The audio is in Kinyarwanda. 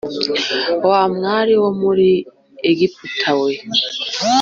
Wa mwari wo muri Egiputa we